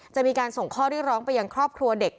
จะมีการส่งข้อเรียกร้องไปยังครอบครัวเด็ก